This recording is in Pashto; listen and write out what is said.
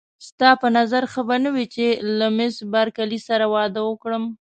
ستا په نظر ښه به نه وي چې له مېس بارکلي سره واده وکړم.